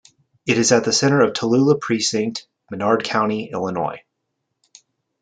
It is at the center of Tallula Precinct, Menard County, Illinois.